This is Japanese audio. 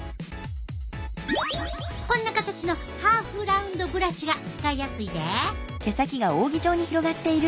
こんな形のハーフラウンドブラシが使いやすいで。